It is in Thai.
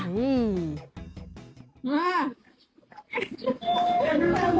มา